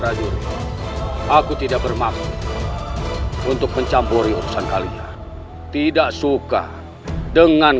rajur aku tidak bermakmu untuk mencampuri urusan kalian tidak suka dengan